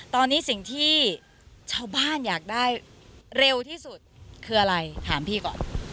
ตอนนี้สิ่งที่ชาวบ้านอยากได้เร็วที่สุดคืออะไรถามพี่ก่อน